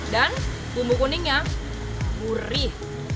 dan bumbu kuningnya murih